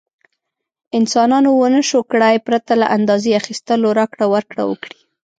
انسانانو ونشو کړای پرته له اندازې اخیستلو راکړه ورکړه وکړي.